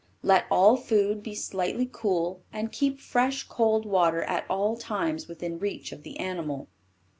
Let all food be slightly cool, and keep fresh cold water at all times within reach of the animal.